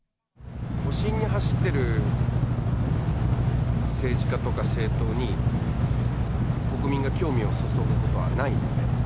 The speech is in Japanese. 保身に走ってる政治家とか政党に、国民が興味を注ぐことはないので。